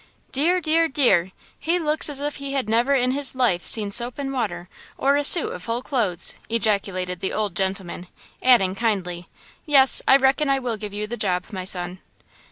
"Dear! dear! dear! he looks as if he had never in his life seen soap and water or a suit of whole clothes!" ejaculated the old gentleman, adding, kindly: "Yes, I reckon I will give you the job, my son!"